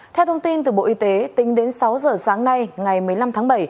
theo thông tin từ bộ y tế tính đến sáu giờ sáng nay ngày một mươi năm tháng bảy